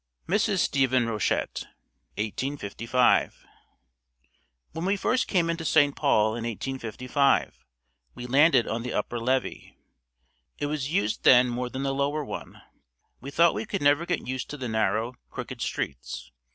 Mrs. Stephen Rochette 1855. When we first came into St. Paul in 1855 we landed on the upper levee. It was used then more than the lower one. We thought we could never get used to the narrow, crooked streets.